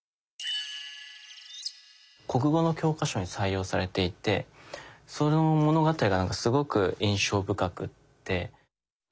国語の教科書に採用されていてその物語がすごく印象深くて。